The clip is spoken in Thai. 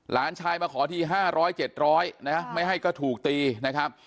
หลานชายมาขอที๕๐๐๗๐๐นะไม่ให้ก็ถูกตีนะครับ